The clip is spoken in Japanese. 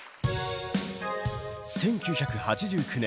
１９８９年